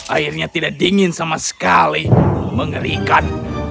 airnya tidak dingin sama sekali mengerikan